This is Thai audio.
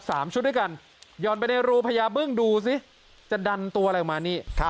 ชุดด้วยกันหย่อนไปในรูพญาบึ้งดูสิจะดันตัวอะไรออกมานี่ครับ